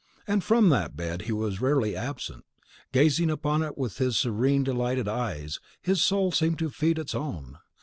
And from that bed he was rarely absent: gazing upon it with his serene, delighted eyes, his soul seemed to feed its own.